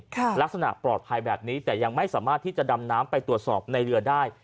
ลักษณะปลอดภัยแบบนี้แต่ยังไม่สามารถที่จะดำน้ำไปตรวจสอบในเรือได้